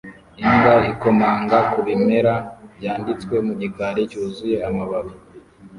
Imbwa ikomanga ku bimera byabitswe mu gikari cyuzuye amababi